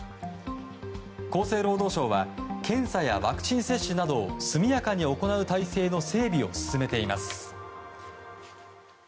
厚生労働省は検査やワクチン接種などを速やかに行う体制の整備を進めています。